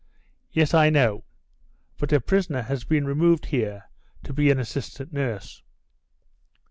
"Yes, I know; but a prisoner has been removed here to be an assistant nurse."